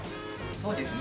そうですね。